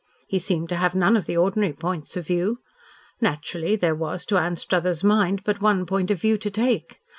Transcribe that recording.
He seemed to have none of the ordinary points of view. Naturally there was to Anstruthers' mind but one point of view to take.